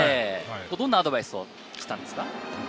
どんなアドバイスをしたんですか？